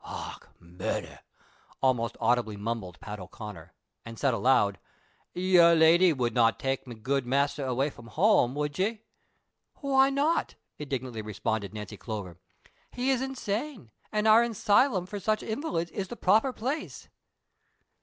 "Och ! murhder," almost audibly mumbled Pat O 'Con ner, and said aloud, " Yer lady would not tak me good mashter away from home, would ye V " ''Why not ?" indignantly responded Nancy Clover, " he is insane, and our asylum for such invalids is the proper place."